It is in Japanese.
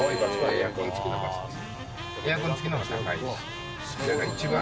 エアコン付きの方が高いです。